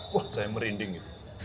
wah saya merinding gitu